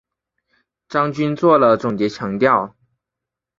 张军作了总结强调